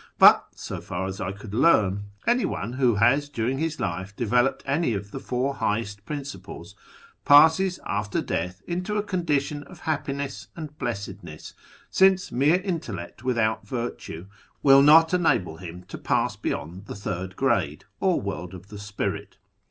But, so far as I could learn, any one who has during his life developed any of the four highest princij)les passes after death into a condition of happiness and blessed ness, since mere intellect without virtue will not enable him to pass beyond the third grade, or World of the Spirit.